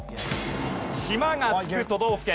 「島」がつく都道府県。